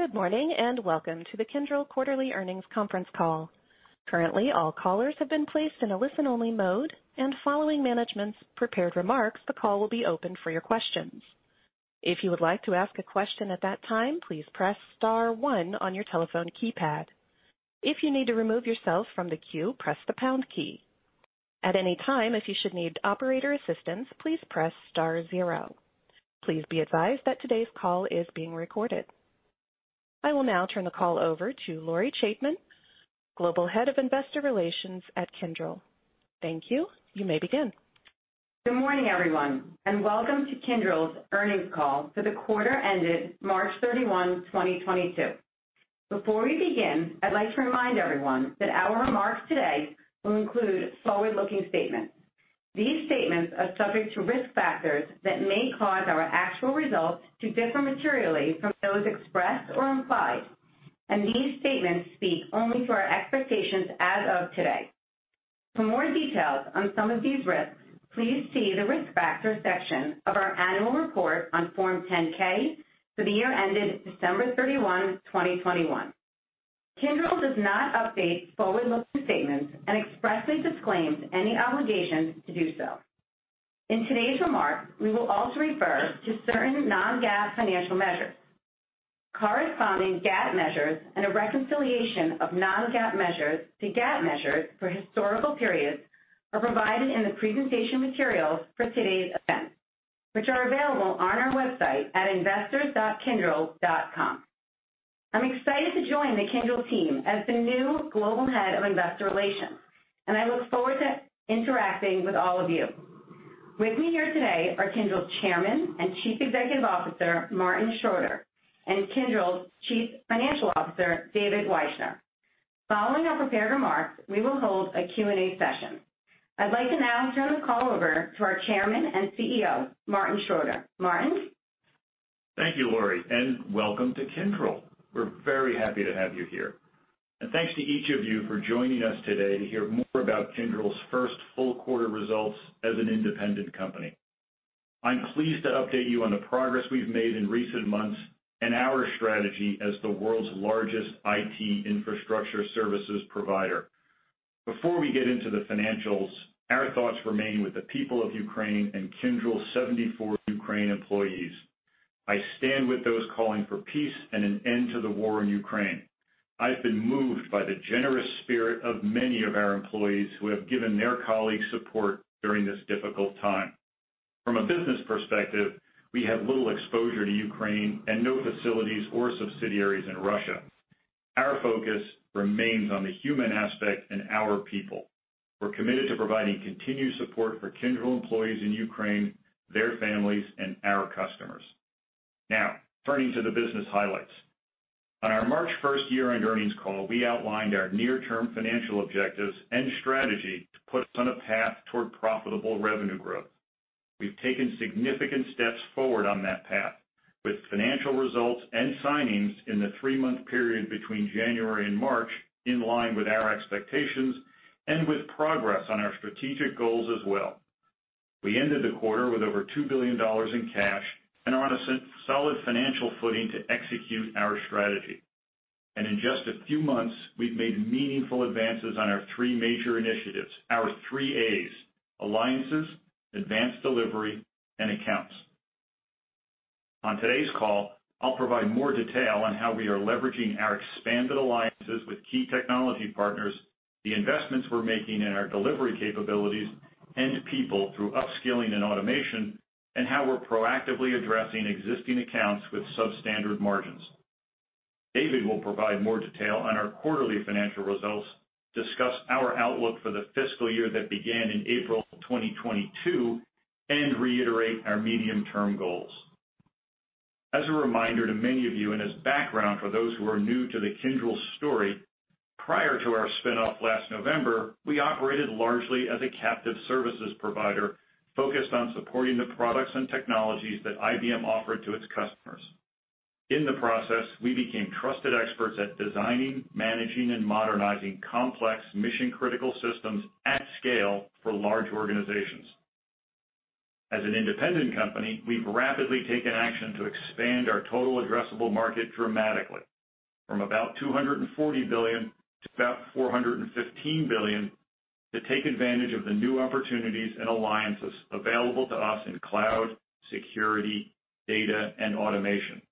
Good morning, and welcome to the Kyndryl Quarterly Earnings Conference Call. Currently, all callers have been placed in a listen-only mode, and following management's prepared remarks, the call will be open for your questions. If you would like to ask a question at that time, please press star one on your telephone keypad. If you need to remove yourself from the queue, press the pound key. At any time, if you should need operator assistance, please press star zero. Please be advised that today's call is being recorded. I will now turn the call over to Lori Chaitman, Global Head of Investor Relations at Kyndryl. Thank you. You may begin. Good morning, everyone, and welcome to Kyndryl's earnings call for the quarter ended March 31, 2022. Before we begin, I'd like to remind everyone that our remarks today will include forward-looking statements. These statements are subject to risk factors that may cause our actual results to differ materially from those expressed or implied, and these statements speak only to our expectations as of today. For more details on some of these risks, please see the Risk Factors section of our annual report on Form 10-K for the year ended December 31, 2021. Kyndryl does not update forward-looking statements and expressly disclaims any obligation to do so. In today's remarks, we will also refer to certain non-GAAP financial measures. Corresponding GAAP measures and a reconciliation of non-GAAP measures to GAAP measures for historical periods are provided in the presentation materials for today's event, which are available on our website at investors.kyndryl.com. I'm excited to join the Kyndryl team as the new Global Head of Investor Relations, and I look forward to interacting with all of you. With me here today are Kyndryl's Chairman and Chief Executive Officer, Martin Schroeter, and Kyndryl's Chief Financial Officer, David Wyshner. Following our prepared remarks, we will hold a Q&A session. I'd like to now turn the call over to our Chairman and CEO, Martin Schroeter. Martin. Thank you, Lori, and welcome to Kyndryl. We're very happy to have you here. Thanks to each of you for joining us today to hear more about Kyndryl's first full quarter results as an independent company. I'm pleased to update you on the progress we've made in recent months and our strategy as the world's largest IT infrastructure services provider. Before we get into the financials, our thoughts remain with the people of Ukraine and Kyndryl's 74 Ukraine employees. I stand with those calling for peace and an end to the war in Ukraine. I've been moved by the generous spirit of many of our employees who have given their colleagues support during this difficult time. From a business perspective, we have little exposure to Ukraine and no facilities or subsidiaries in Russia. Our focus remains on the human aspect and our people. We're committed to providing continued support for Kyndryl employees in Ukraine, their families, and our customers. Now, turning to the business highlights. On our March 1st Year-End Earnings Call, we outlined our near-term financial objectives and strategy to put us on a path toward profitable revenue growth. We've taken significant steps forward on that path with financial results and signings in the three-month period between January and March in line with our expectations and with progress on our strategic goals as well. We ended the quarter with over $2 billion in cash and are on a solid financial footing to execute our strategy. In just a few months, we've made meaningful advances on our three major initiatives, our three As, alliances, advanced delivery, and accounts. On today's call, I'll provide more detail on how we are leveraging our expanded alliances with key technology partners, the investments we're making in our delivery capabilities and to people through upskilling and automation, and how we're proactively addressing existing accounts with substandard margins. David will provide more detail on our quarterly financial results, discuss our outlook for the fiscal year that began in April 2022, and reiterate our medium-term goals. As a reminder to many of you and as background for those who are new to the Kyndryl story, prior to our spin-off last November, we operated largely as a captive services provider focused on supporting the products and technologies that IBM offered to its customers. In the process, we became trusted experts at designing, managing, and modernizing complex mission-critical systems at scale for large organizations. As an independent company, we've rapidly taken action to expand our total addressable market dramatically from about $240 billion to about $415 billion to take advantage of the new opportunities and alliances available to us in cloud, security, data, and automation.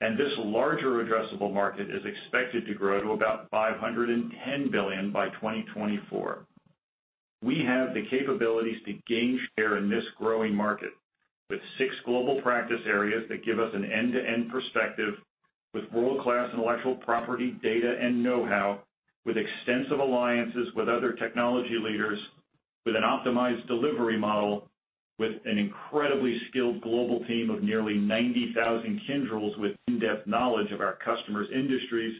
This larger addressable market is expected to grow to about $510 billion by 2024. We have the capabilities to gain share in this growing market with six global practice areas that give us an end-to-end perspective with world-class intellectual property data and know-how, with extensive alliances with other technology leaders, with an optimized delivery model, with an incredibly skilled global team of nearly 90,000 Kyndryl with in-depth knowledge of our customers' industries,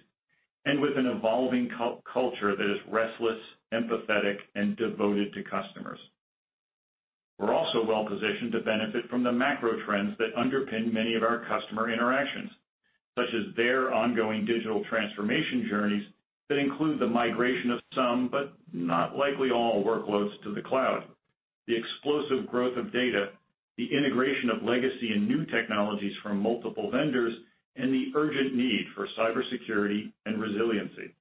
and with an evolving culture that is restless, empathetic, and devoted to customers. We're also well-positioned to benefit from the macro trends that underpin many of our customer interactions, such as their ongoing digital transformation journeys that include the migration of some, but not likely all workloads to the cloud. The explosive growth of data, the integration of legacy and new technologies from multiple vendors, and the urgent need for cybersecurity and resiliency.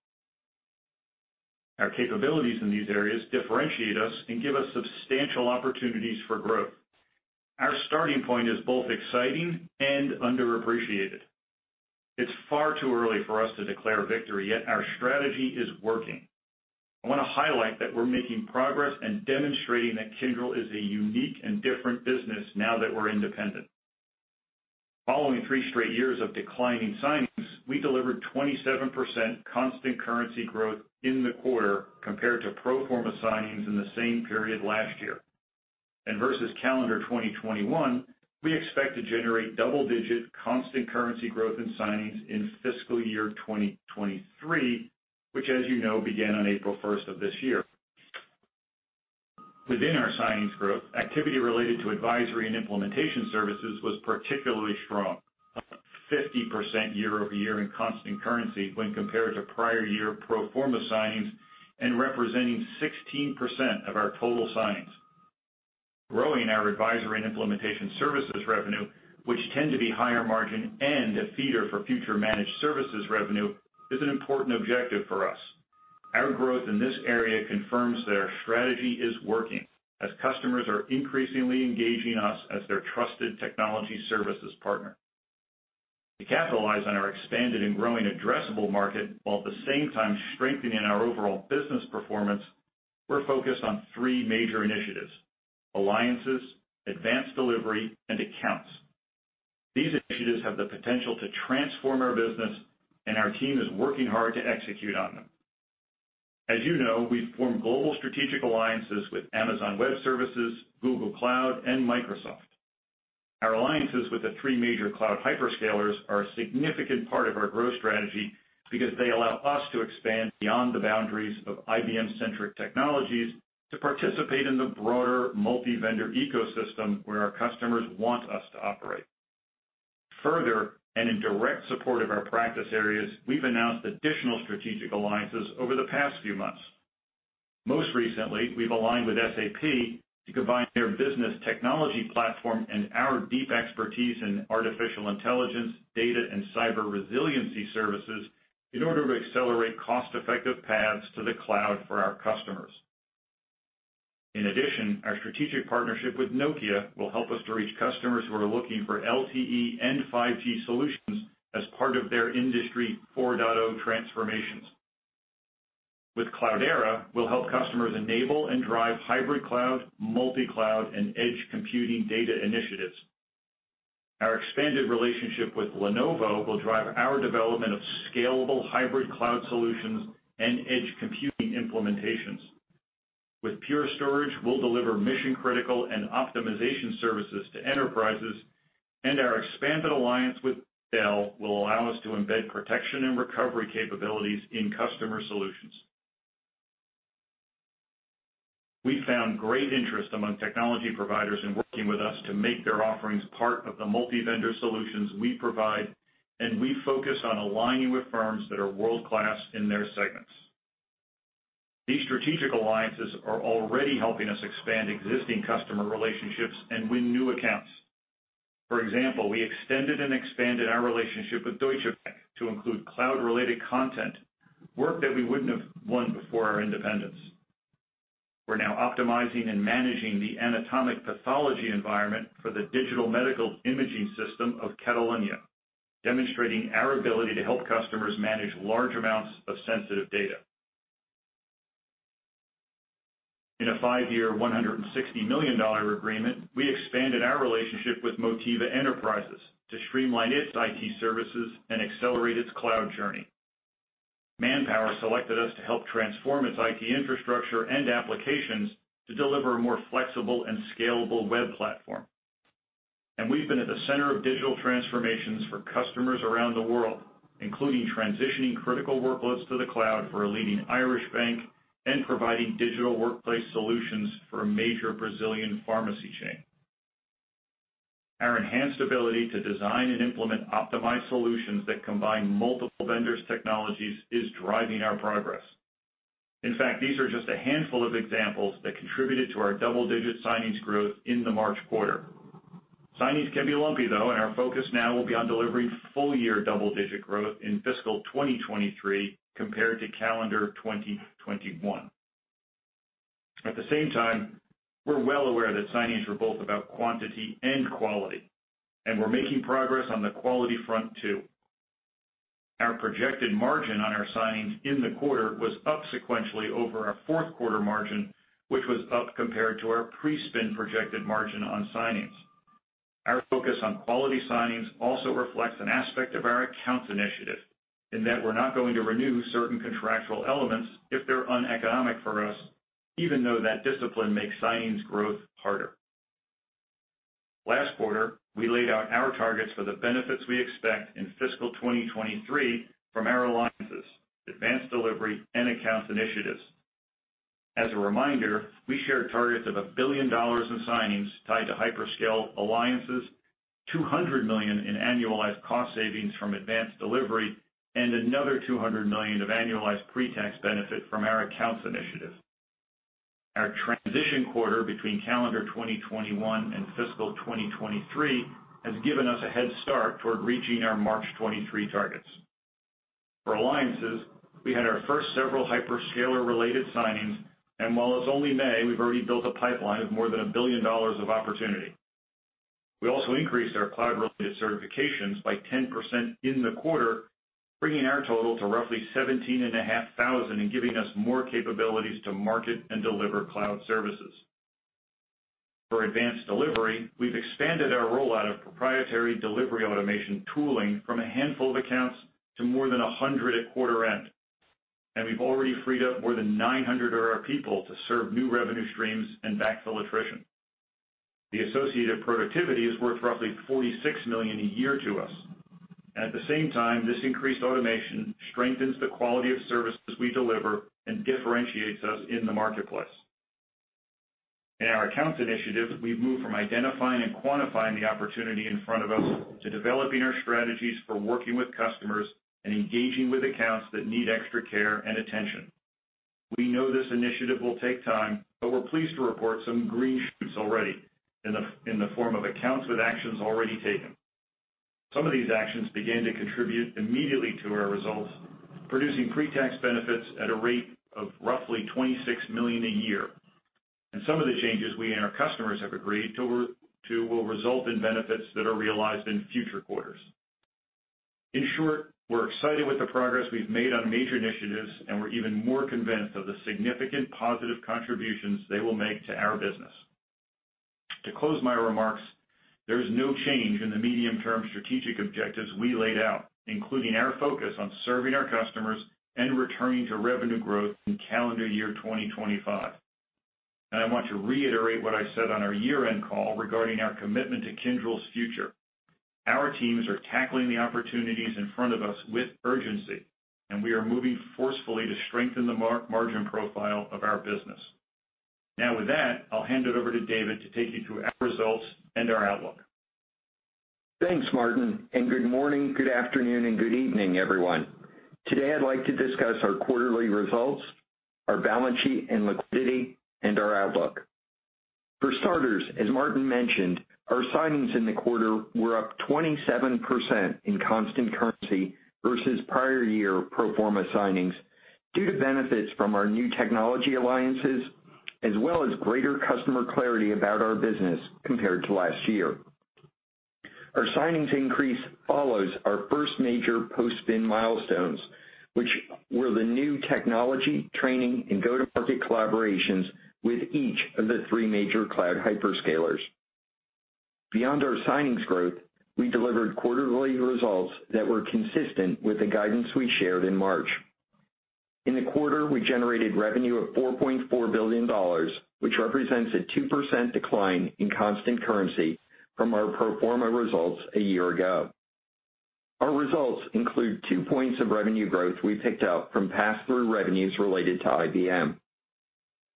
Our capabilities in these areas differentiate us and give us substantial opportunities for growth. Our starting point is both exciting and underappreciated. It's far too early for us to declare victory, yet our strategy is working. I wanna highlight that we're making progress and demonstrating that Kyndryl is a unique and different business now that we're independent. Following three straight years of declining signings, we delivered 27% constant currency growth in the quarter compared to pro forma signings in the same period last year. Versus calendar 2021, we expect to generate double-digit constant currency growth in signings in fiscal year 2023, which as you know, began on April 1st of this year. Within our signings growth, activity related to advisory and implementation services was particularly strong, 50% year-over-year in constant currency when compared to prior year pro forma signings and representing 16% of our total signings. Growing our advisory and implementation services revenue, which tend to be higher margin and a feeder for future managed services revenue, is an important objective for us. Our growth in this area confirms that our strategy is working as customers are increasingly engaging us as their trusted technology services partner. To capitalize on our expanded and growing addressable market while at the same time strengthening our overall business performance, we're focused on three major initiatives, alliances, advanced delivery, and accounts. These initiatives have the potential to transform our business, and our team is working hard to execute on them. As you know, we've formed global strategic alliances with Amazon Web Services, Google Cloud, and Microsoft. Our alliances with the three major cloud hyperscalers are a significant part of our growth strategy because they allow us to expand beyond the boundaries of IBM-centric technologies to participate in the broader multi-vendor ecosystem where our customers want us to operate. Further, and in direct support of our practice areas, we've announced additional strategic alliances over the past few months. Most recently, we've aligned with SAP to combine their business technology platform and our deep expertise in artificial intelligence, data, and cyber resiliency services in order to accelerate cost-effective paths to the cloud for our customers. In addition, our strategic partnership with Nokia will help us to reach customers who are looking for LTE and 5G solutions as part of their Industry 4.0 transformations. With Cloudera, we'll help customers enable and drive hybrid cloud, multi-cloud, and edge computing data initiatives. Our expanded relationship with Lenovo will drive our development of scalable hybrid cloud solutions and edge computing implementations. With Pure Storage, we'll deliver mission-critical and optimization services to enterprises, and our expanded alliance with Dell will allow us to embed protection and recovery capabilities in customer solutions. We found great interest among technology providers in working with us to make their offerings part of the multi-vendor solutions we provide, and we focus on aligning with firms that are world-class in their segments. These strategic alliances are already helping us expand existing customer relationships and win new accounts. For example, we extended and expanded our relationship with Deutsche Bank to include cloud-related content, work that we wouldn't have won before our independence. We're now optimizing and managing the anatomic pathology environment for the digital medical imaging system of Catalonia, demonstrating our ability to help customers manage large amounts of sensitive data. In a five-year, $160 million agreement, we expanded our relationship with Motiva Enterprises to streamline its IT services and accelerate its cloud journey. ManpowerGroup selected us to help transform its IT infrastructure and applications to deliver a more flexible and scalable web platform. We've been at the center of digital transformations for customers around the world, including transitioning critical workloads to the cloud for a leading Irish bank and providing digital workplace solutions for a major Brazilian pharmacy chain. Our enhanced ability to design and implement optimized solutions that combine multiple vendors' technologies is driving our progress. In fact, these are just a handful of examples that contributed to our double-digit signings growth in the March quarter. Signings can be lumpy, though, and our focus now will be on delivering full-year double-digit growth in fiscal 2023 compared to calendar 2021. At the same time, we're well aware that signings were both about quantity and quality, and we're making progress on the quality front too. Our projected margin on our signings in the quarter was up sequentially over our fourth quarter margin, which was up compared to our pre-spin projected margin on signings. Our focus on quality signings also reflects an aspect of our accounts initiative in that we're not going to renew certain contractual elements if they're uneconomic for us, even though that discipline makes signings growth harder. Last quarter, we laid out our targets for the benefits we expect in fiscal 2023 from our alliances, advanced delivery, and accounts initiatives. As a reminder, we share targets of $1 billion in signings tied to hyperscale alliances. $200 million in annualized cost savings from advanced delivery and another $200 million of annualized pretax benefit from our accounts initiative. Our transition quarter between calendar 2021 and fiscal 2023 has given us a head start toward reaching our March 2023 targets. For alliances, we had our first several hyperscaler-related signings, and while it's only May, we've already built a pipeline of more than $1 billion of opportunity. We also increased our cloud-related certifications by 10% in the quarter, bringing our total to roughly 17,500 and giving us more capabilities to market and deliver cloud services. For advanced delivery, we've expanded our rollout of proprietary delivery automation tooling from a handful of accounts to more than 100 at quarter end, and we've already freed up more than 900 of our people to serve new revenue streams and backfill attrition. The associated productivity is worth roughly $46 million a year to us. At the same time, this increased automation strengthens the quality of services we deliver and differentiates us in the marketplace. In our accounts initiative, we've moved from identifying and quantifying the opportunity in front of us to developing our strategies for working with customers and engaging with accounts that need extra care and attention. We know this initiative will take time, but we're pleased to report some green shoots already in the form of accounts with actions already taken. Some of these actions began to contribute immediately to our results, producing pretax benefits at a rate of roughly $26 million a year. Some of the changes we and our customers have agreed to will result in benefits that are realized in future quarters. In short, we're excited with the progress we've made on major initiatives, and we're even more convinced of the significant positive contributions they will make to our business. To close my remarks, there is no change in the medium-term strategic objectives we laid out, including our focus on serving our customers and returning to revenue growth in calendar year 2025. I want to reiterate what I said on our year-end call regarding our commitment to Kyndryl's future. Our teams are tackling the opportunities in front of us with urgency, and we are moving forcefully to strengthen the margin profile of our business. Now with that, I'll hand it over to David to take you through our results and our outlook. Thanks, Martin, and good morning, good afternoon, and good evening, everyone. Today, I'd like to discuss our quarterly results, our balance sheet and liquidity, and our outlook. For starters, as Martin mentioned, our signings in the quarter were up 27% in constant currency versus prior year pro forma signings due to benefits from our new technology alliances, as well as greater customer clarity about our business compared to last year. Our signings increase follows our first major post-spin milestones, which were the new technology, training, and go-to-market collaborations with each of the three major cloud hyperscalers. Beyond our signings growth, we delivered quarterly results that were consistent with the guidance we shared in March. In the quarter, we generated revenue of $4.4 billion, which represents a 2% decline in constant currency from our pro forma results a year ago. Our results include 2 points of revenue growth we picked up from passthrough revenues related to IBM.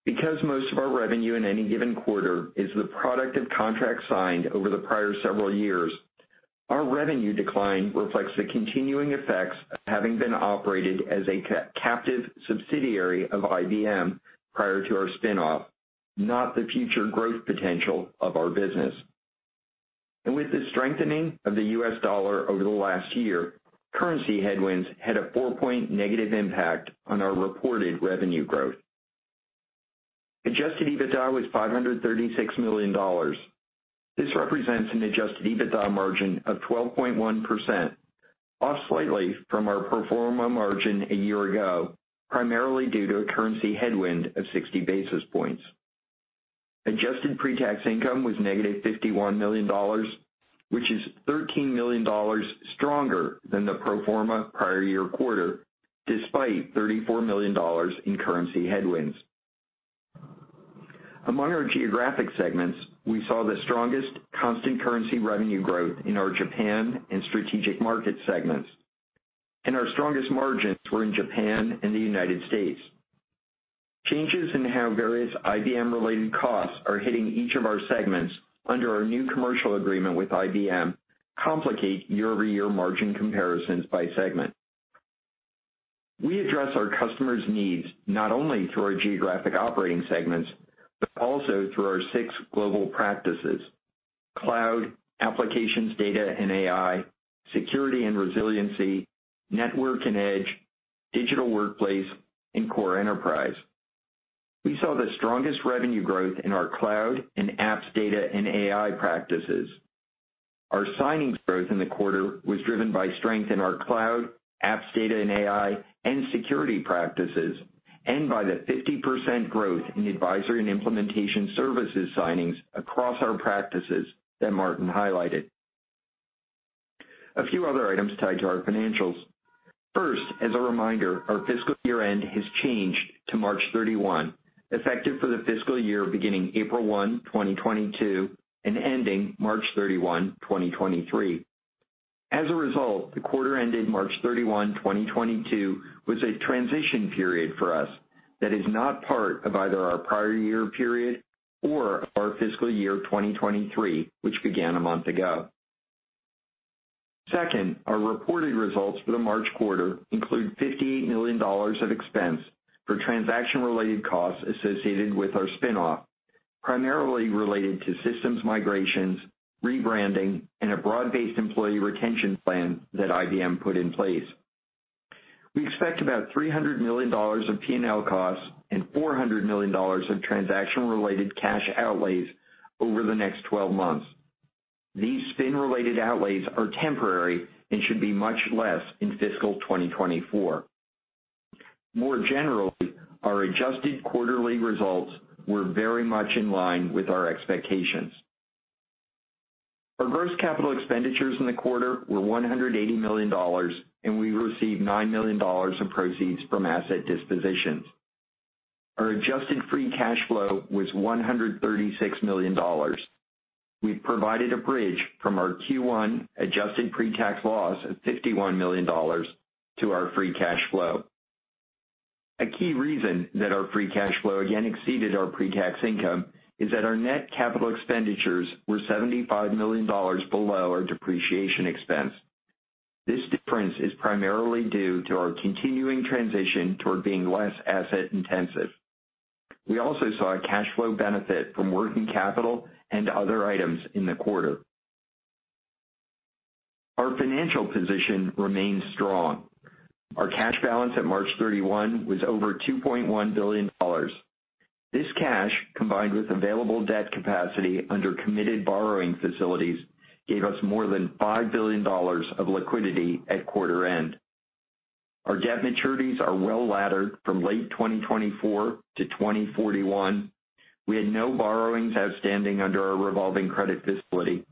Because most of our revenue in any given quarter is the product of contracts signed over the prior several years, our revenue decline reflects the continuing effects of having been operated as a captive subsidiary of IBM prior to our spin-off, not the future growth potential of our business. With the strengthening of the U.S. dollar over the last year, currency headwinds had a 4-point negative impact on our reported revenue growth. Adjusted EBITDA was $536 million. This represents an Adjusted EBITDA margin of 12.1%, off slightly from our pro forma margin a year ago, primarily due to a currency headwind of 60 basis points. Adjusted pre-tax income was -$51 million, which is $13 million stronger than the pro forma prior year quarter, despite $34 million in currency headwinds. Among our geographic segments, we saw the strongest constant currency revenue growth in our Japan and strategic market segments, and our strongest margins were in Japan and the United States. Changes in how various IBM-related costs are hitting each of our segments under our new commercial agreement with IBM complicate year-over-year margin comparisons by segment. We address our customers' needs not only through our geographic operating segments, but also through our six global practices, cloud, applications, data, and AI, security and resiliency, network and edge, digital workplace, and core enterprise. We saw the strongest revenue growth in our cloud and apps, data, and AI practices. Our signings growth in the quarter was driven by strength in our cloud, apps, data, and AI, and security practices, and by the 50% growth in advisory and implementation services signings across our practices that Martin highlighted. A few other items tied to our financials. First, as a reminder, our fiscal year-end has changed to March 31, effective for the fiscal year beginning April 1, 2022, and ending March 31, 2023. As a result, the quarter ending March 31, 2022 was a transition period for us that is not part of either our prior year period or our fiscal year 2023, which began a month ago. Second, our reported results for the March quarter include $58 million of expense for transaction-related costs associated with our spin-off, primarily related to systems migrations, rebranding, and a broad-based employee retention plan that IBM put in place. We expect about $300 million of P&L costs and $400 million of transaction-related cash outlays over the next 12 months. These spin-related outlays are temporary and should be much less in fiscal 2024. More generally, our adjusted quarterly results were very much in line with our expectations. Our gross capital expenditures in the quarter were $180 million, and we received $9 million of proceeds from asset dispositions. Our adjusted free cash flow was $136 million. We've provided a bridge from our Q1 adjusted pre-tax loss of $51 million to our free cash flow. A key reason that our free cash flow again exceeded our pre-tax income is that our net capital expenditures were $75 million below our depreciation expense. This difference is primarily due to our continuing transition toward being less asset intensive. We also saw a cash flow benefit from working capital and other items in the quarter. Our financial position remains strong. Our cash balance at March 31 was over $2.1 billion. This cash, combined with available debt capacity under committed borrowing facilities, gave us more than $5 billion of liquidity at quarter end. Our debt maturities are well-laddered from late 2024 to 2041. We had no borrowings outstanding under our revolving credit facility,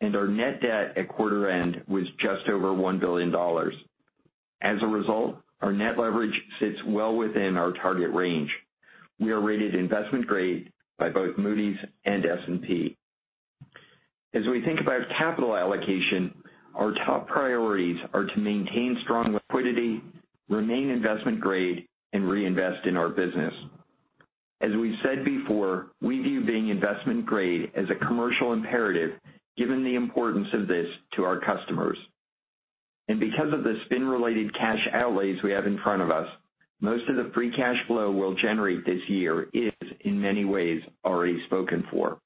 and our net debt at quarter end was just over $1 billion. As a result, our net leverage sits well within our target range. We are rated investment grade by both Moody's and S&P. As we think about capital allocation, our top priorities are to maintain strong liquidity, remain investment grade, and reinvest in our business. As we've said before, we view being investment grade as a commercial imperative given the importance of this to our customers. Because of the spin-related cash outlays we have in front of us, most of the free cash flow we'll generate this year is in many ways already spoken for.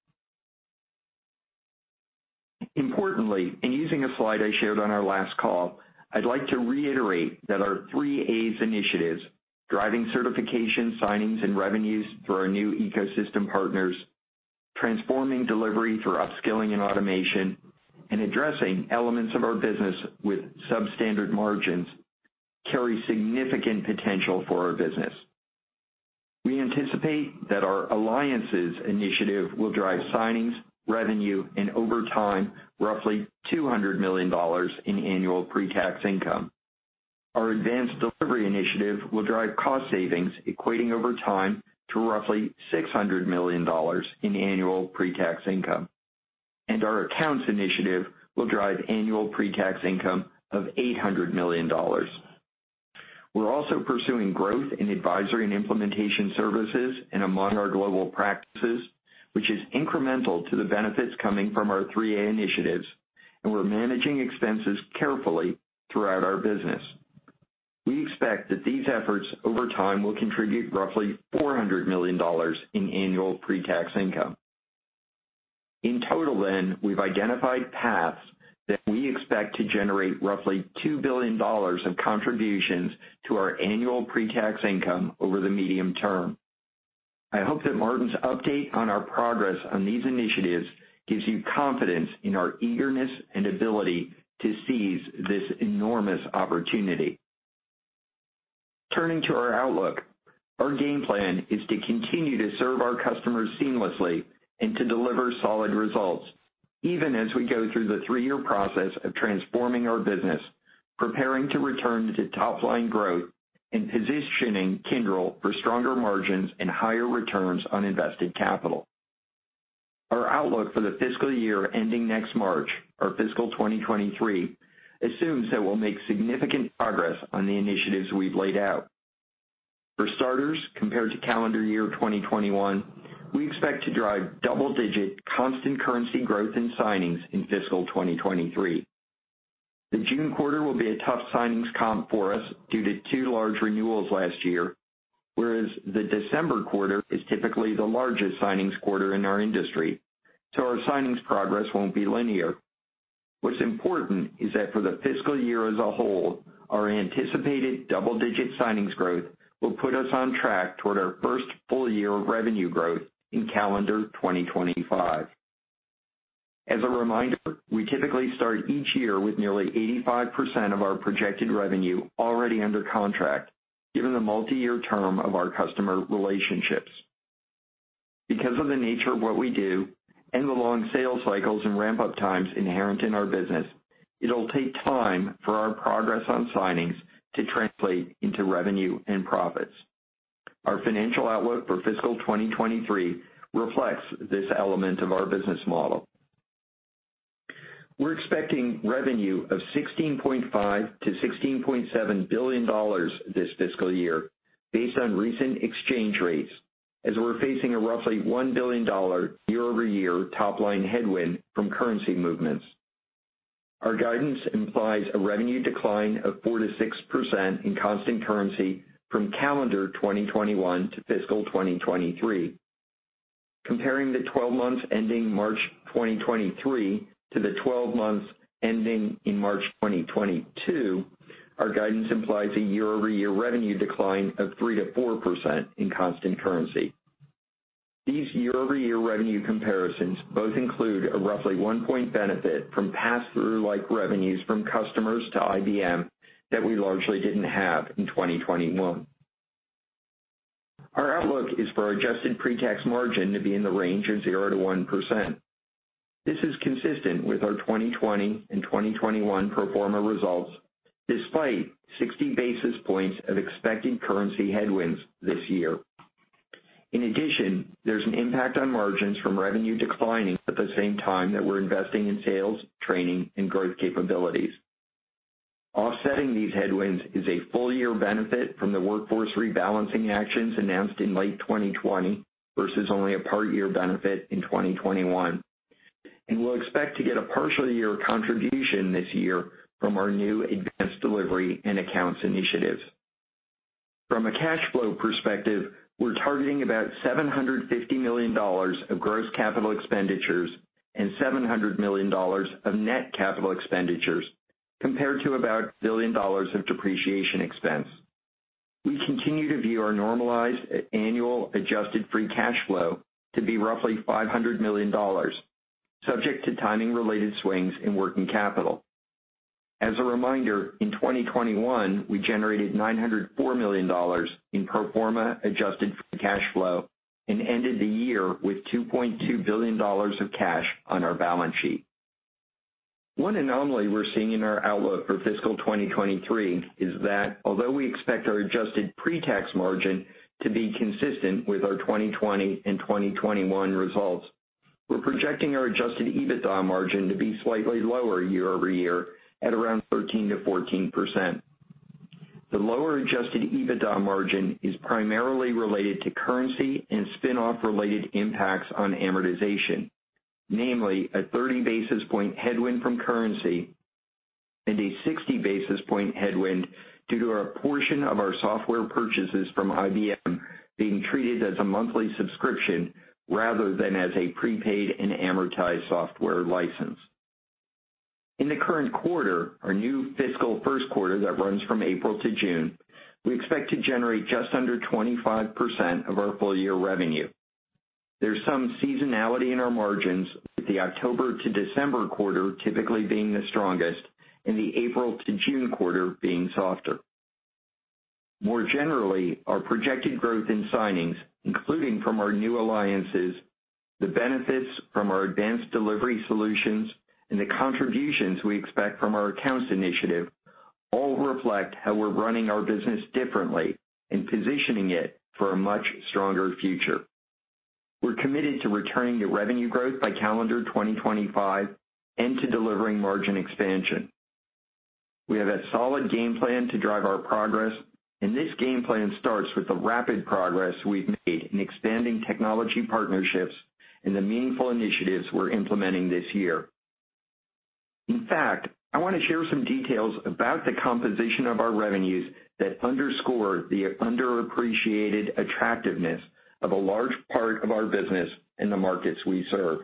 Importantly, in using a slide I shared on our last call, I'd like to reiterate that our Three-As initiatives, driving certification, signings, and revenues through our new ecosystem partners, transforming delivery through upskilling and automation, and addressing elements of our business with substandard margins, carry significant potential for our business. We anticipate that our alliances initiative will drive signings, revenue, and over time, roughly $200 million in annual pre-tax income. Our advanced delivery initiative will drive cost savings equating over time to roughly $600 million in annual pre-tax income. Our accounts initiative will drive annual pre-tax income of $800 million. We're also pursuing growth in advisory and implementation services and among our global practices, which is incremental to the benefits coming from our three A initiatives, and we're managing expenses carefully throughout our business. We expect that these efforts over time will contribute roughly $400 million in annual pre-tax income. In total, we've identified paths that we expect to generate roughly $2 billion of contributions to our annual pre-tax income over the medium term. I hope that Martin's update on our progress on these initiatives gives you confidence in our eagerness and ability to seize this enormous opportunity. Turning to our outlook, our game plan is to continue to serve our customers seamlessly and to deliver solid results, even as we go through the three-year process of transforming our business, preparing to return to top-line growth, and positioning Kyndryl for stronger margins and higher returns on invested capital. Our outlook for the fiscal year ending next March, or fiscal 2023, assumes that we'll make significant progress on the initiatives we've laid out. For starters, compared to calendar year 2021, we expect to drive double-digit constant currency growth in signings in fiscal 2023. The June quarter will be a tough signings comp for us due to two large renewals last year, whereas the December quarter is typically the largest signings quarter in our industry, so our signings progress won't be linear. What's important is that for the fiscal year as a whole, our anticipated double-digit signings growth will put us on track toward our first full year of revenue growth in calendar 2025. As a reminder, we typically start each year with nearly 85% of our projected revenue already under contract, given the multi-year term of our customer relationships. Because of the nature of what we do and the long sales cycles and ramp-up times inherent in our business, it'll take time for our progress on signings to translate into revenue and profits. Our financial outlook for fiscal 2023 reflects this element of our business model. We're expecting revenue of $16.5 billion-$16.7 billion this fiscal year based on recent exchange rates as we're facing a roughly $1 billion year-over-year top-line headwind from currency movements. Our guidance implies a revenue decline of 4%-6% in constant currency from calendar 2021 to fiscal 2023. Comparing the twelve months ending March 2023 to the twelve months ending in March 2022, our guidance implies a year-over-year revenue decline of 3%-4% in constant currency. These year-over-year revenue comparisons both include a roughly 1-point benefit from pass-through like revenues from customers to IBM that we largely didn't have in 2021. Our outlook is for adjusted pre-tax margin to be in the range of 0%-1%. This is consistent with our 2020 and 2021 pro forma results, despite 60 basis points of expected currency headwinds this year. In addition, there's an impact on margins from revenue declining at the same time that we're investing in sales, training, and growth capabilities. Offsetting these headwinds is a full year benefit from the workforce rebalancing actions announced in late 2020 versus only a part year benefit in 2021. We'll expect to get a partial year contribution this year from our new advanced delivery and accounts initiatives. From a cash flow perspective, we're targeting about $750 million of gross capital expenditures and $700 million of net capital expenditures compared to about $1 billion of depreciation expense. We continue to view our normalized annual adjusted free cash flow to be roughly $500 million, subject to timing related swings in working capital. As a reminder, in 2021, we generated $904 million in pro forma adjusted free cash flow and ended the year with $2.2 billion of cash on our balance sheet. One anomaly we're seeing in our outlook for fiscal 2023 is that although we expect our adjusted pre-tax margin to be consistent with our 2020 and 2021 results, we're projecting our Adjusted EBITDA margin to be slightly lower year-over-year at around 13%-14%. The lower Adjusted EBITDA margin is primarily related to currency and spin-off related impacts on amortization, namely a 30 basis points headwind from currency and a 60 basis points headwind due to a portion of our software purchases from IBM being treated as a monthly subscription rather than as a prepaid and amortized software license. In the current quarter, our new fiscal first quarter that runs from April to June, we expect to generate just under 25% of our full year revenue. There's some seasonality in our margins, with the October to December quarter typically being the strongest and the April to June quarter being softer. More generally, our projected growth in signings, including from our new alliances, the benefits from our advanced delivery solutions, and the contributions we expect from our accounts initiative, all reflect how we're running our business differently and positioning it for a much stronger future. We're committed to returning to revenue growth by calendar 2025 and to delivering margin expansion. We have a solid game plan to drive our progress, and this game plan starts with the rapid progress we've made in expanding technology partnerships and the meaningful initiatives we're implementing this year. In fact, I want to share some details about the composition of our revenues that underscore the underappreciated attractiveness of a large part of our business in the markets we serve.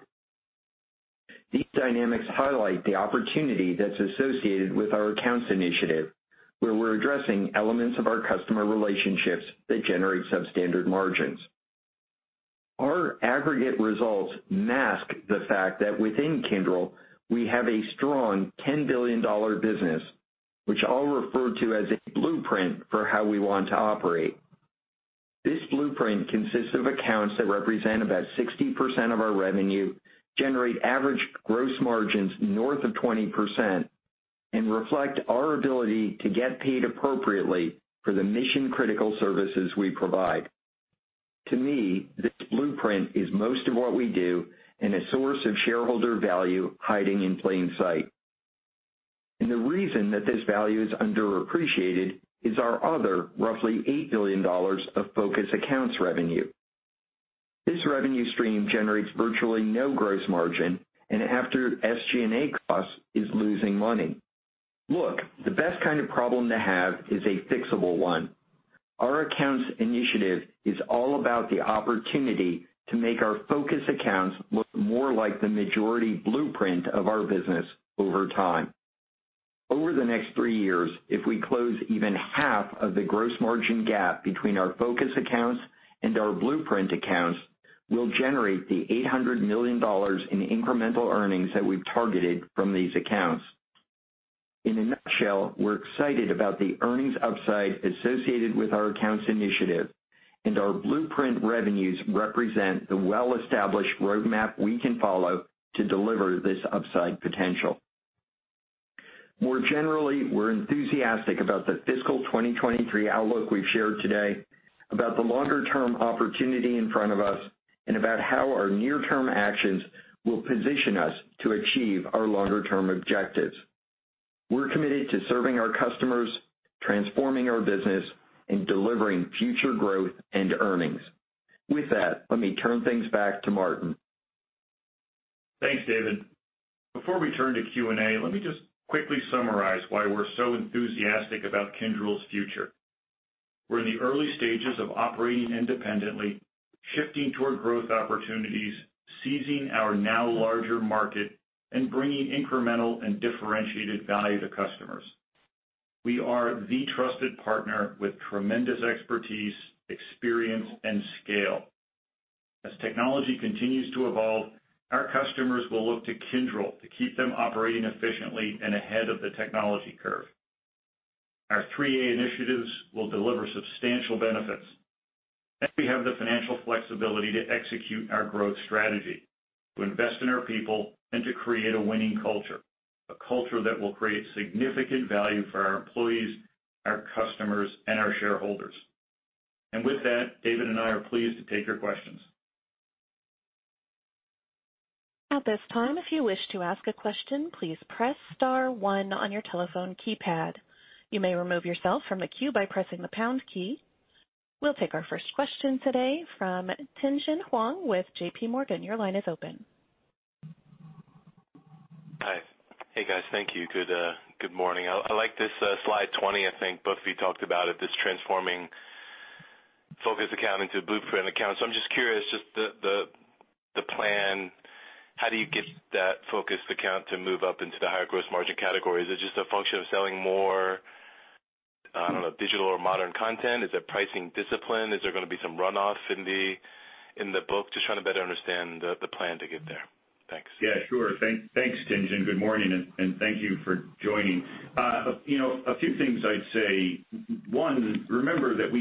These dynamics highlight the opportunity that's associated with our accounts initiative, where we're addressing elements of our customer relationships that generate substandard margins. Our aggregate results mask the fact that within Kyndryl, we have a strong $10 billion business, which I'll refer to as a blueprint for how we want to operate. This blueprint consists of accounts that represent about 60% of our revenue, generate average gross margins north of 20%, and reflect our ability to get paid appropriately for the mission-critical services we provide. To me, this blueprint is most of what we do and a source of shareholder value hiding in plain sight. The reason that this value is underappreciated is our other roughly $8 billion of focus accounts revenue. This revenue stream generates virtually no gross margin, and after SG&A costs is losing money. Look, the best kind of problem to have is a fixable one. Our accounts initiative is all about the opportunity to make our focus accounts look more like the majority blueprint of our business over time. Over the next three years, if we close even half of the gross margin gap between our focus accounts and our blueprint accounts, we'll generate $800 million in incremental earnings that we've targeted from these accounts. In a nutshell, we're excited about the earnings upside associated with our accounts initiative and our blueprint revenues represent the well-established roadmap we can follow to deliver this upside potential. More generally, we're enthusiastic about the fiscal 2023 outlook we've shared today, about the longer-term opportunity in front of us, and about how our near-term actions will position us to achieve our longer-term objectives. We're committed to serving our customers, transforming our business, and delivering future growth and earnings. With that, let me turn things back to Martin. Thanks, David. Before we turn to Q&A, let me just quickly summarize why we're so enthusiastic about Kyndryl's future. We're in the early stages of operating independently, shifting toward growth opportunities, seizing our now larger market, and bringing incremental and differentiated value to customers. We are the trusted partner with tremendous expertise, experience, and scale. As technology continues to evolve, our customers will look to Kyndryl to keep them operating efficiently and ahead of the technology curve. Our three-A initiatives will deliver substantial benefits, and we have the financial flexibility to execute our growth strategy, to invest in our people, and to create a winning culture, a culture that will create significant value for our employees, our customers, and our shareholders. With that, David and I are pleased to take your questions. At this time, if you wish to ask a question, please press star one on your telephone keypad. You may remove yourself from the queue by pressing the pound key. We'll take our first question today from Tien-Tsin Huang with JPMorgan. Your line is open. Hi. Hey, guys. Thank you. Good morning. I like this slide 20. I think both of you talked about it, this transforming focus account into a blueprint account. I'm just curious, just the plan, how do you get that focused account to move up into the higher gross margin category? Is it just a function of selling more, I don't know, digital or modern content? Is it pricing discipline? Is there gonna be some runoff in the book? Just trying to better understand the plan to get there. Thanks. Yeah, sure. Thanks, Tien-Tsin. Good morning, and thank you for joining. You know, a few things I'd say. One, remember that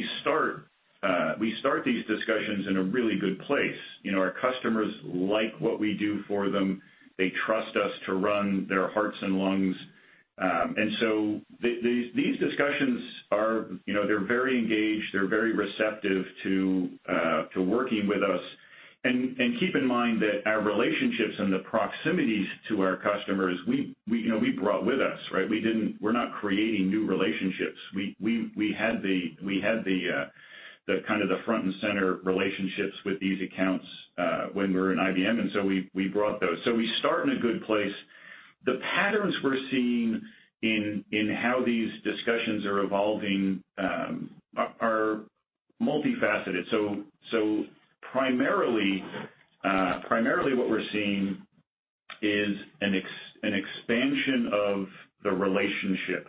we start these discussions in a really good place. You know, our customers like what we do for them. They trust us to run their hearts and lungs. These discussions are, you know, they're very engaged. They're very receptive to working with us. Keep in mind that our relationships and the proximities to our customers, we, you know, we brought with us, right? We're not creating new relationships. We had the kind of the front and center relationships with these accounts when we were in IBM, and so we brought those. We start in a good place. The patterns we're seeing in how these discussions are evolving are multifaceted. Primarily what we're seeing is an expansion of the relationship.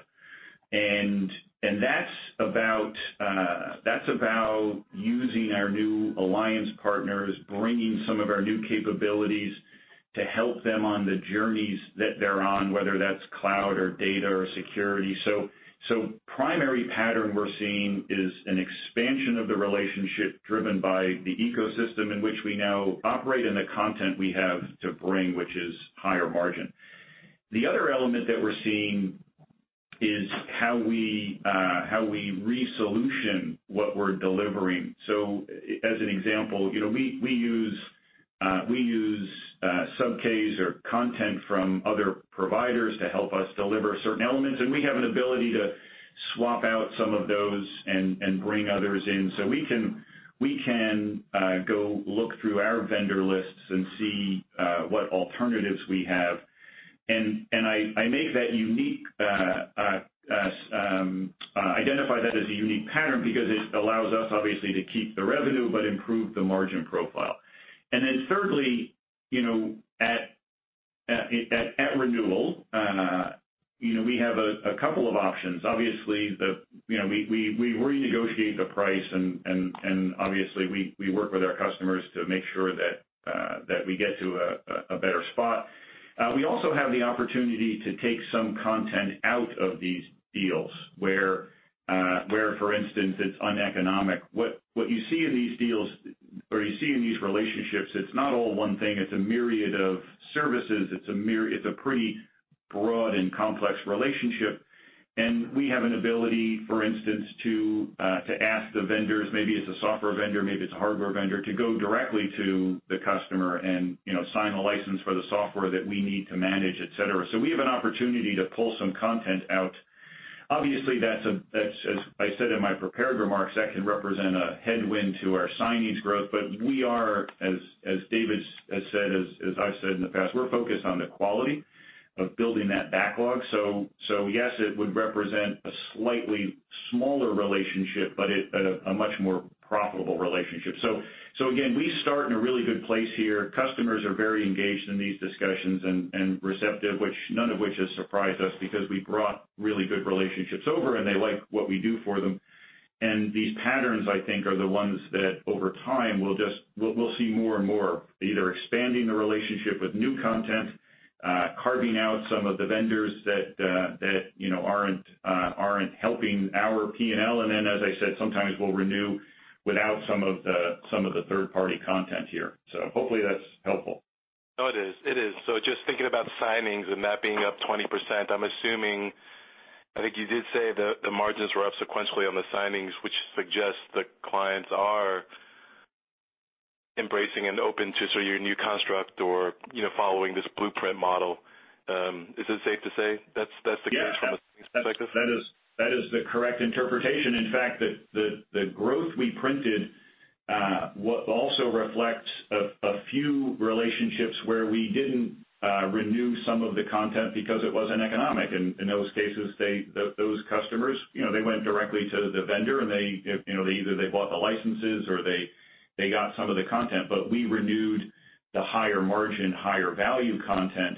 That's about using our new alliance partners, bringing some of our new capabilities to help them on the journeys that they're on, whether that's cloud or data or security. Primary pattern we're seeing is an expansion of the relationship driven by the ecosystem in which we now operate and the content we have to bring, which is higher margin. The other element that we're seeing is how we reposition what we're delivering. As an example, you know, we use sub-K's or content from other providers to help us deliver certain elements, and we have an ability to swap out some of those and bring others in. We can go look through our vendor lists and see what alternatives we have. I identify that as a unique pattern because it allows us obviously to keep the revenue but improve the margin profile. Then thirdly, you know, at renewal, we have a couple of options. Obviously, you know, we renegotiate the price and obviously we work with our customers to make sure that we get to a better spot. We also have the opportunity to take some content out of these deals where, for instance, it's uneconomic. What you see in these deals or you see in these relationships, it's not all one thing, it's a myriad of services. It's a pretty broad and complex relationship. We have an ability, for instance, to ask the vendors, maybe it's a software vendor, maybe it's a hardware vendor, to go directly to the customer and, you know, sign the license for the software that we need to manage, et cetera. We have an opportunity to pull some content out. Obviously, that's as I said in my prepared remarks, that can represent a headwind to our signings growth. We are, as David has said, as I've said in the past, we're focused on the quality of building that backlog. Yes, it would represent a slightly smaller relationship, but it at a much more profitable relationship. We start in a really good place here. Customers are very engaged in these discussions and receptive, none of which has surprised us because we brought really good relationships over and they like what we do for them. These patterns, I think, are the ones that over time will just we'll see more and more, either expanding the relationship with new content, carving out some of the vendors that you know aren't helping our P&L. Then as I said, sometimes we'll renew without some of the third-party content here. Hopefully that's helpful. No, it is. Just thinking about signings and that being up 20%, I'm assuming-I think you did say the margins were up sequentially on the signings, which suggests that clients are embracing and open to sort of your new construct or, you know, following this blueprint model. Is it safe to say that's the case from a signings perspective? Yes, that is the correct interpretation. In fact, the growth we printed also reflects a few relationships where we didn't renew some of the content because it wasn't economic. In those cases, those customers, you know, they went directly to the vendor, and they, you know, they either bought the licenses or they got some of the content. We renewed the higher margin, higher value content,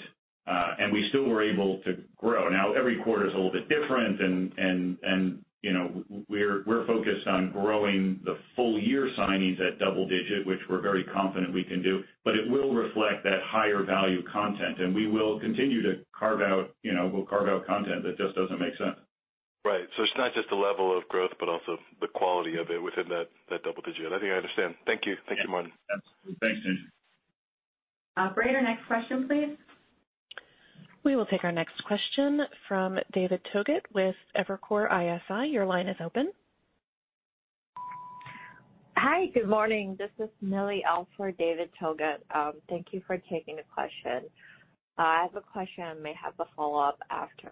and we still were able to grow. Now, every quarter is a little bit different and, you know, we're focused on growing the full year signings at double digit, which we're very confident we can do. It will reflect that higher value content, and we will continue to carve out, you know, we'll carve out content that just doesn't make sense. Right. It's not just the level of growth, but also the quality of it within that double digit. I think I understand. Thank you. Thank you, Martin. Absolutely. Thanks, Tien-Tsin Huang. Operator, next question, please. We will take our next question from David Togut with Evercore ISI. Your line is open. Hi, good morning. This is Millie Wu for David Togut. Thank you for taking the question. I have a question. I may have a follow-up after.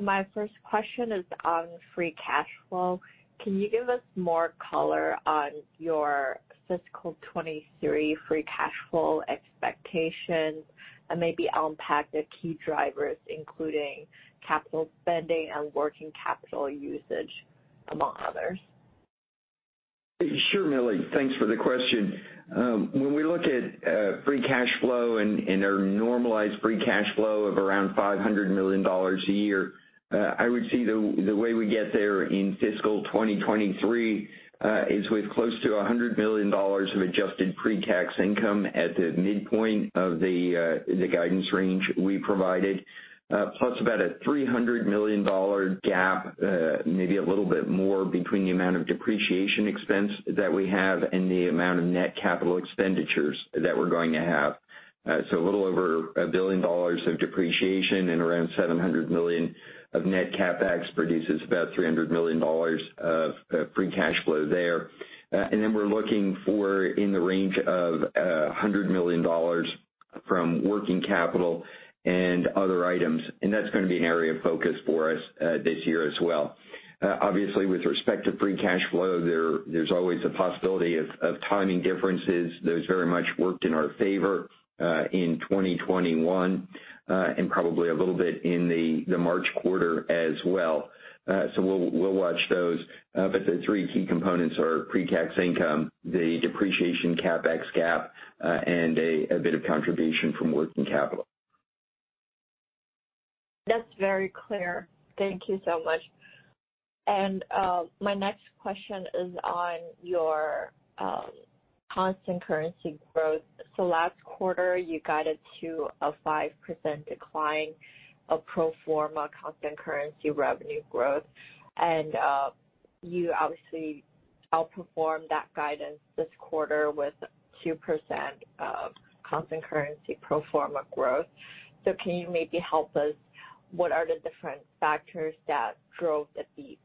My first question is on free cash flow. Can you give us more color on your fiscal 2023 free cash flow expectations and maybe unpack the key drivers, including capital spending and working capital usage, among others? Sure, Millie. Thanks for the question. When we look at free cash flow and our normalized free cash flow of around $500 million a year, I would see the way we get there in fiscal 2023 is with close to $100 million of adjusted pre-tax income at the midpoint of the guidance range we provided, plus about a $300 million gap, maybe a little bit more between the amount of depreciation expense that we have and the amount of net capital expenditures that we're going to have. A little over $1 billion of depreciation and around $700 million of net CapEx produces about $300 million of free cash flow there. We're looking for in the range of $100 million from working capital and other items. That's gonna be an area of focus for us this year as well. Obviously, with respect to free cash flow, there's always a possibility of timing differences. Those very much worked in our favor in 2021 and probably a little bit in the March quarter as well. We'll watch those. The three key components are pre-tax income, the depreciation CapEx gap, and a bit of contribution from working capital. That's very clear. Thank you so much. My next question is on your constant currency growth. Last quarter, you guided to a 5% decline of pro forma constant currency revenue growth. You obviously outperformed that guidance this quarter with 2% of constant currency pro forma growth. Can you maybe help us, what are the different factors that drove the beat?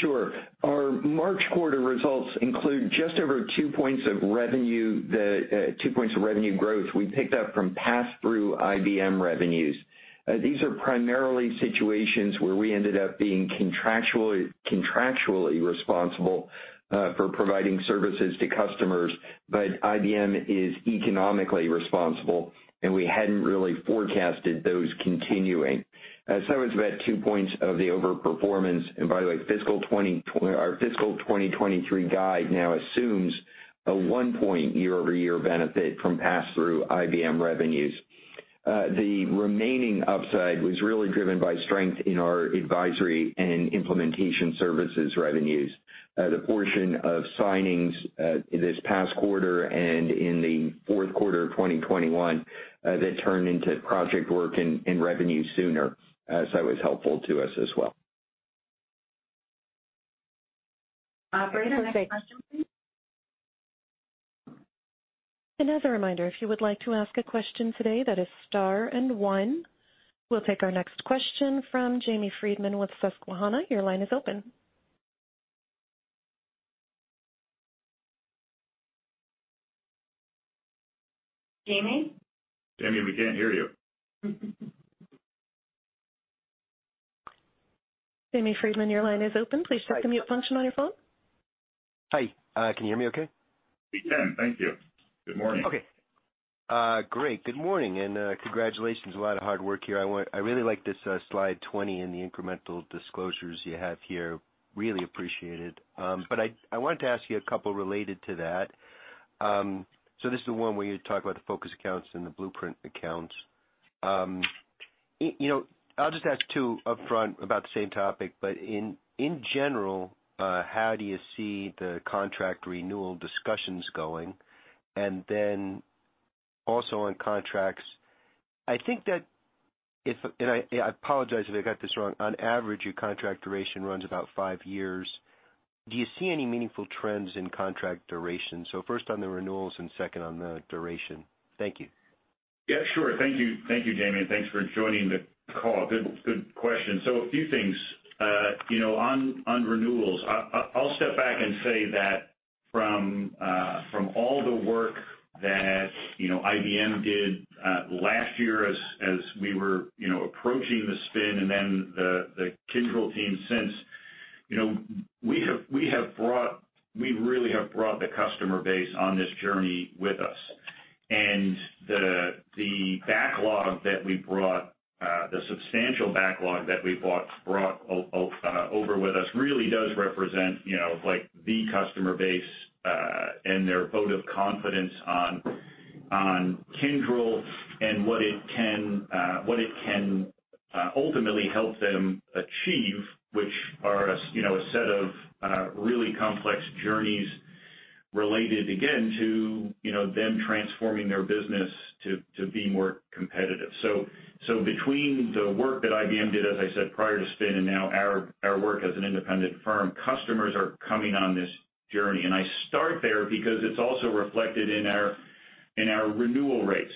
Sure. Our March quarter results include just over 2 points of revenue, 2 points of revenue growth we picked up from passthrough IBM revenues. These are primarily situations where we ended up being contractually responsible for providing services to customers, but IBM is economically responsible, and we hadn't really forecasted those continuing. It's about 2 points of the overperformance. By the way, our fiscal 2023 guide now assumes a 1-point year-over-year benefit from passthrough IBM revenues. The remaining upside was really driven by strength in our advisory and implementation services revenues. The portion of signings this past quarter and in the fourth quarter of 2021 that turned into project work and revenue sooner. It was helpful to us as well. Operator, next question, please. As a reminder, if you would like to ask a question today, that is star and one. We'll take our next question from Jamie Friedman with Susquehanna. Your line is open. Jamie? Jamie, we can't hear you. Jamie Friedman, your line is open. Please check the mute function on your phone. Hi. Can you hear me okay? We can. Thank you. Good morning. Okay. Great. Good morning and congratulations. A lot of hard work here. I really like this slide 20 and the incremental disclosures you have here. Really appreciate it. I wanted to ask you a couple related to that. This is the one where you talk about the focus accounts and the blueprint accounts. You know, I'll just ask two upfront about the same topic. In general, how do you see the contract renewal discussions going? And then also on contracts, I think that, and I apologize if I got this wrong. On average, your contract duration runs about five years. Do you see any meaningful trends in contract duration? First on the renewals and second on the duration. Thank you. Yeah, sure. Thank you. Thank you, Jamie. Thanks for joining the call. Good question. A few things. You know, on renewals, I'll step back and say that from all the work that, you know, IBM did last year as we were, you know, approaching the spin and then the Kyndryl team since, you know, we really have brought the customer base on this journey with us. The backlog that we brought, the substantial backlog that we brought over with us really does represent, you know, like the customer base, and their vote of confidence on Kyndryl and what it can ultimately help them achieve, which are a set of really complex journeys related again to, you know, them transforming their business to be more competitive. Between the work that IBM did, as I said, prior to spin and now our work as an independent firm, customers are coming on this journey. I start there because it's also reflected in our renewal rates.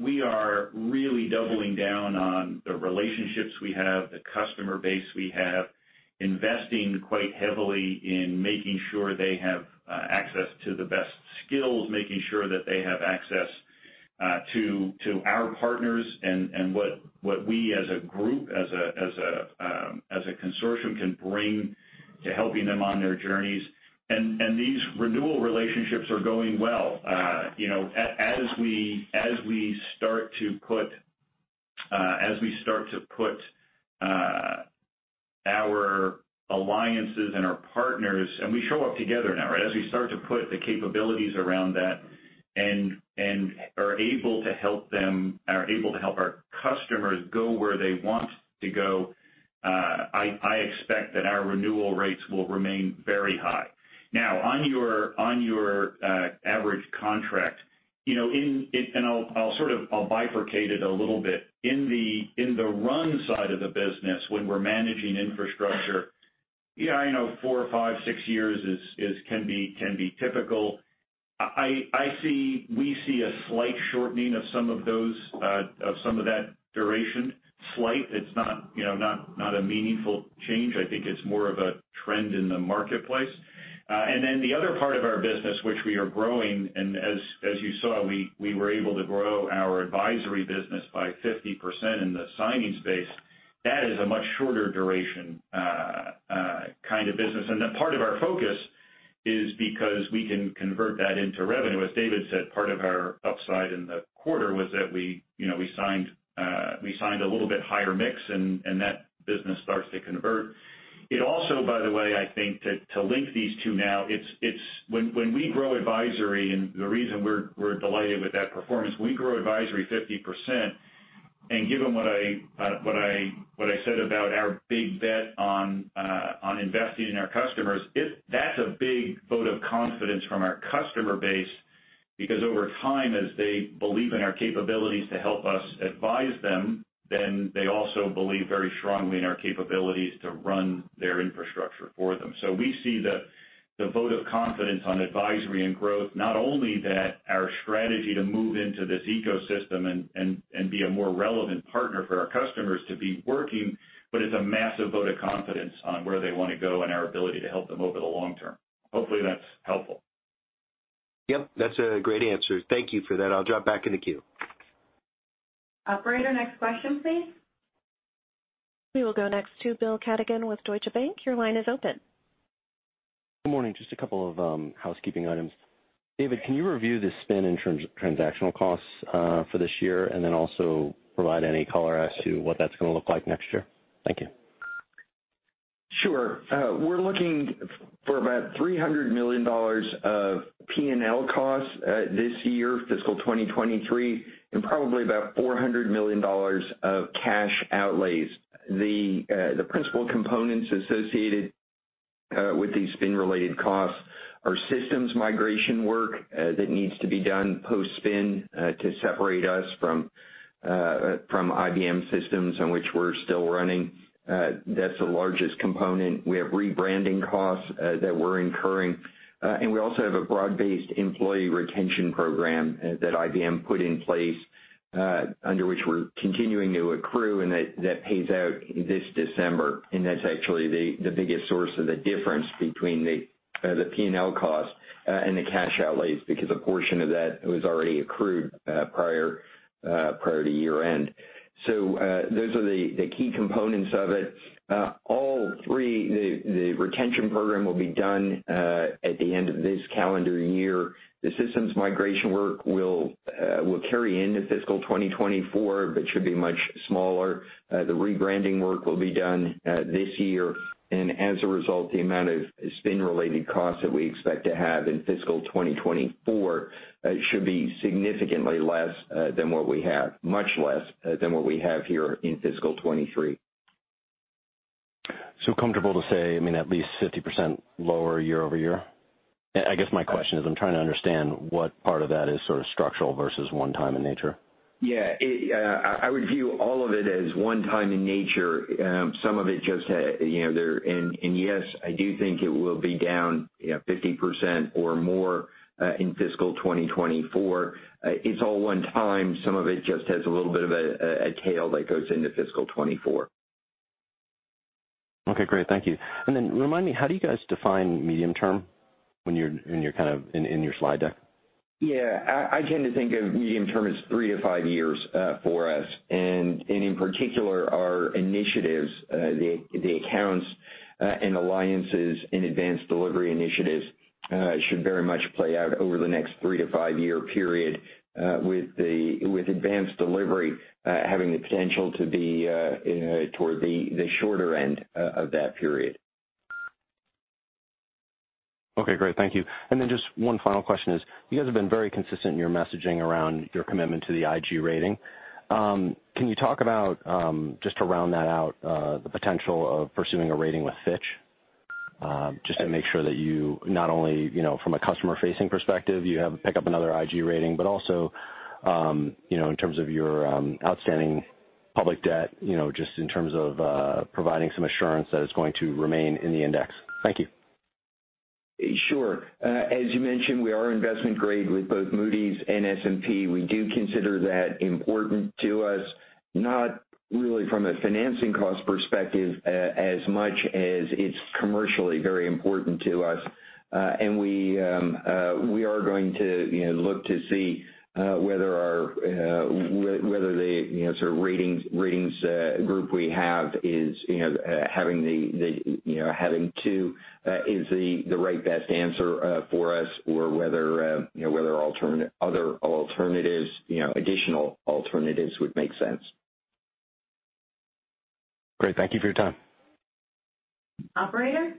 We are really doubling down on the relationships we have, the customer base we have, investing quite heavily in making sure they have access to the best skills, making sure that they have access to our partners and what we as a group, as a consortium can bring to helping them on their journeys. These renewal relationships are going well. You know, as we start to put our alliances and our partners, and we show up together now, right? As we start to put the capabilities around that and are able to help them, are able to help our customers go where they want to go, I expect that our renewal rates will remain very high. Now, on your average contract, you know, and I'll sort of bifurcate it a little bit. In the run side of the business when we're managing infrastructure, yeah, you know, four, five, six years can be typical. We see a slight shortening of some of those of some of that duration. Slight. It's not, you know, a meaningful change. I think it's more of a trend in the marketplace. And then the other part of our business, which we are growing, and as you saw, we were able to grow our advisory business by 50% in the signing space. That is a much shorter duration kind of business. A part of our focus is because we can convert that into revenue. As David said, part of our upside in the quarter was that we, you know, we signed a little bit higher mix, and that business starts to convert. It also, by the way, I think to link these two now, it's when we grow advisory, and the reason we're delighted with that performance, we grow advisory 50%, and given what I said about our big bet on investing in our customers, it's a big vote of confidence from our customer base, because over time, as they believe in our capabilities to help us advise them, then they also believe very strongly in our capabilities to run their infrastructure for them. We see the vote of confidence on advisory and growth, not only that our strategy to move into this ecosystem and be a more relevant partner for our customers to be working, but it's a massive vote of confidence on where they wanna go and our ability to help them over the long term. Hopefully, that's helpful. Yep, that's a great answer. Thank you for that. I'll drop back in the queue. Operator, next question, please. We will go next to Bryan Keane with Deutsche Bank. Your line is open. Good morning. Just a couple of housekeeping items. David, can you review the spin in terms of transaction costs for this year, and then also provide any color as to what that's gonna look like next year? Thank you. Sure. We're looking for about $300 million of P&L costs this year, fiscal 2023, and probably about $400 million of cash outlays. The principal components associated with these spin-related costs are systems migration work that needs to be done post-spin to separate us from IBM systems on which we're still running. That's the largest component. We have rebranding costs that we're incurring. We also have a broad-based employee retention program that IBM put in place under which we're continuing to accrue and that pays out this December. That's actually the biggest source of the difference between the P&L cost and the cash outlays, because a portion of that was already accrued prior to year-end. Those are the key components of it. All three, the retention program will be done at the end of this calendar year. The systems migration work will carry into fiscal 2024, but should be much smaller. The rebranding work will be done this year. As a result, the amount of spin-related costs that we expect to have in fiscal 2024 should be significantly less than what we have, much less than what we have here in fiscal 2023. Comfortable to say, I mean, at least 50% lower year-over-year? I guess my question is, I'm trying to understand what part of that is sort of structural versus one-time in nature. Yeah. I would view all of it as one-time in nature. Yes, I do think it will be down, you know, 50% or more in fiscal 2024. It's all one-time. Some of it just has a little bit of a tail that goes into fiscal 2024. Okay, great. Thank you. Remind me, how do you guys define medium term when you're kind of in your slide deck? Yeah. I tend to think of medium term as three to five years for us. In particular, our initiatives, the accounts and alliances and advanced delivery initiatives should very much play out over the next three to five year period, with advanced delivery having the potential to be toward the shorter end of that period. Okay, great. Thank you. Just one final question is, you guys have been very consistent in your messaging around your commitment to the IG rating. Can you talk about, just to round that out, the potential of pursuing a rating with Fitch? Just to make sure that you not only, you know, from a customer-facing perspective, you have pick up another IG rating, but also, you know, in terms of your outstanding public debt, you know, just in terms of providing some assurance that it's going to remain in the index. Thank you. Sure. As you mentioned, we are investment grade with both Moody's and S&P. We do consider that important to us, not really from a financing cost perspective as much as it's commercially very important to us. We are going to, you know, look to see whether the, you know, sort of ratings group we have is, you know, having two is the right best answer for us or whether, you know, whether other alternatives, additional alternatives would make sense. Great. Thank you for your time. Operator?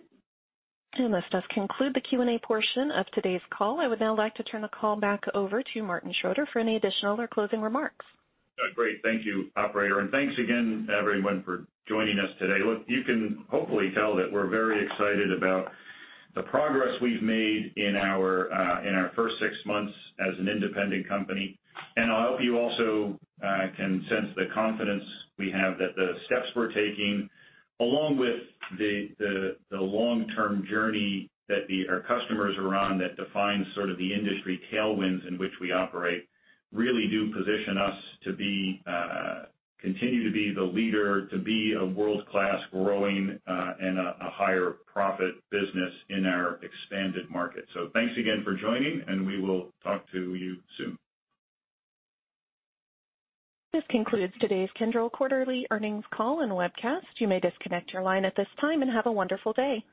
This does conclude the Q&A portion of today's call. I would now like to turn the call back over to Martin Schroeter for any additional or closing remarks. Great. Thank you, operator, and thanks again everyone for joining us today. Look, you can hopefully tell that we're very excited about the progress we've made in our first six months as an independent company. I hope you also can sense the confidence we have that the steps we're taking, along with the long-term journey that our customers are on that defines sort of the industry tailwinds in which we operate, really do position us to continue to be the leader, to be a world-class growing and a higher profit business in our expanded market. Thanks again for joining, and we will talk to you soon. This concludes today's Kyndryl quarterly earnings call and webcast. You may disconnect your line at this time, and have a wonderful day.